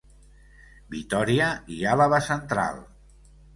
Vitòria i Àlaba Central.